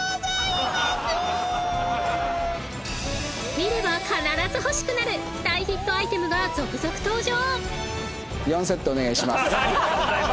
［見れば必ず欲しくなる大ヒットアイテムが続々登場］